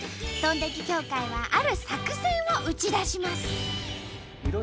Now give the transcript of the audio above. とんてき協会はある作戦を打ち出します。